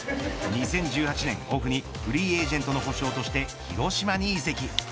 ２０１８年オフにフリーエージェントの補償として広島に移籍。